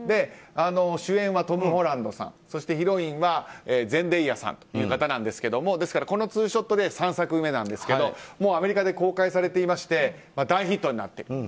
主演はトム・ホランドさんそしてヒロインはゼンデイヤさんという方ですがこのツーショットで３作目なんですけどアメリカで公開されていまして大ヒットになってる。